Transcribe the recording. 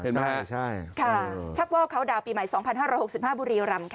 ใช่ไหมคะใช่ใช่ค่ะชักว่าเขาดาวปีใหม่สองพันห้าร้อยหกสิบห้าบุรีโอรัมค่ะ